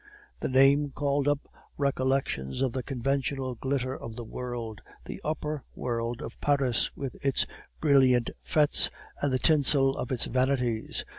"The name called up recollections of the conventional glitter of the world, the upper world of Paris with its brilliant fetes and the tinsel of its vanities.